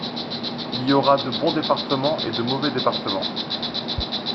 Il y aura de bons départements et de mauvais départements